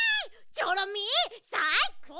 チョロミーさいこう！